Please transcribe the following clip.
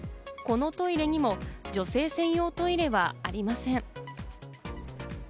このトイレにも女性専用トイレはありません。